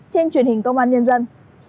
trên truyền hình công an nhân dân